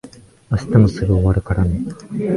明日もすぐ終わるからね。